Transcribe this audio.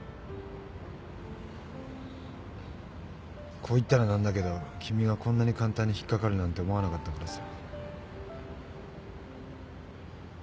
こう言ったら何だけど君がこんなに簡単にひっかかるなんて思わなかったからさ。